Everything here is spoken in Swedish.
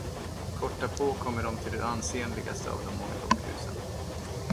Kort därpå kommer de till det ansenligaste av de många dockhusen.